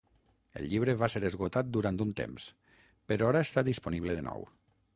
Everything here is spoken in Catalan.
El llibre va ser esgotat durant un temps, però ara està disponible de nou.